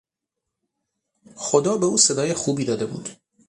خدا به او صدای خوبی داده بود.